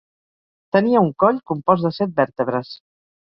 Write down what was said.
Tenia un coll compost de set vèrtebres.